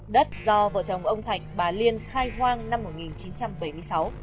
đất do vợ chồng ông thạch bà liên khai hoang năm một nghìn chín trăm bảy mươi sáu